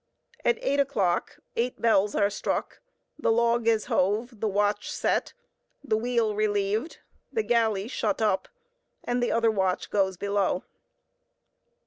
At eight o'clock, eight bells are struck, the log is hove, the watch set, the wheel relieved, the galley shut up, and the other watch goes below.